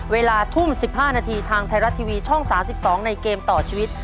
เวลาทุ่ม๑๕นาทีทางไทยรัฐทีวีช่อง๓๒ในเกมต่อชีวิต